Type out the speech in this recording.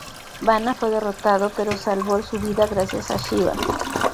Bana fue derrotado pero salvó su vida gracias a Shivá.